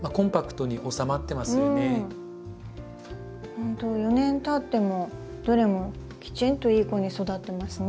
ほんと４年たってもどれもきちんといい子に育ってますね。